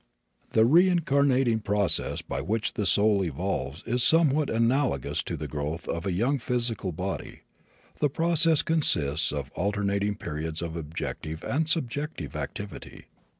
The reincarnating process by which the soul evolves is somewhat analogous to the growth of a young physical body. The process consists of alternating periods of objective and subjective activity.